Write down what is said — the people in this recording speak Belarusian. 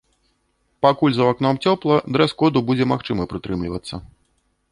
Пакуль за вакном цёпла, дрэс-коду будзе магчыма прытрымлівацца.